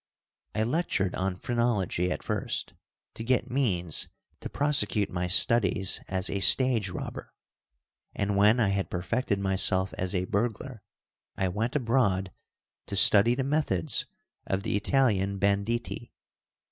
I lectured on phrenology at first to get means to prosecute my studies as a stage robber, and when I had perfected myself as a burglar I went abroad to study the methods of the Italian banditti.